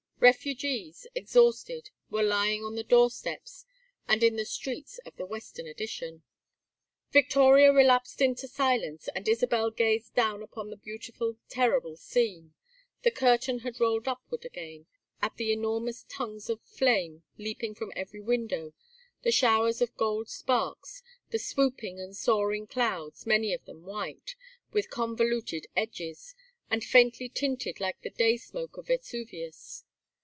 Refugees, exhausted, were lying on the doorsteps and in the streets of the Western Addition. Victoria relapsed into silence and Isabel gazed down upon the beautiful terrible scene the curtain had rolled upward again at the enormous tongues of flame leaping from every window, the showers of golden sparks, the swooping and soaring clouds, many of them white, with convoluted edges, and faintly tinted like the day smoke of Vesuvius.